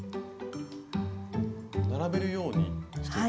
並べるようにしていく。